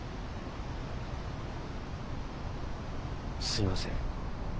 すみません。